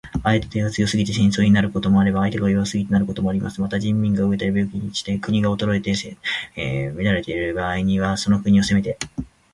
相手が強すぎて戦争になることもあれば、相手が弱すぎてなることもあります。また、人民が餓えたり病気して国が衰えて乱れている場合には、その国を攻めて